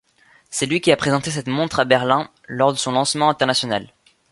C'est lui qui a présenté cette montre à Berlin, lors de son lancement international.